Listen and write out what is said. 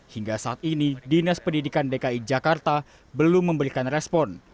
hingga saat ini dinas pendidikan dki jakarta belum memberikan respon